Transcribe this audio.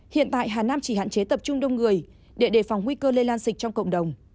hiện tại hà nam chỉ hạn chế tập trung đông người để đề phòng nguy cơ lây lan dịch trong cộng đồng